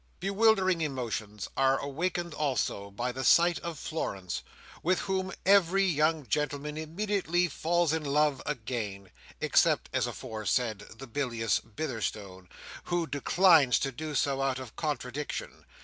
Bewildering emotions are awakened also by the sight of Florence, with whom every young gentleman immediately falls in love, again; except, as aforesaid, the bilious Bitherstone, who declines to do so, out of contradiction.